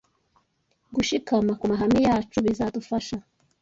Gushikama ku Mahame Yacu bizadufasha